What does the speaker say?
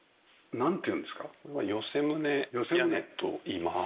これは寄棟屋根といいます。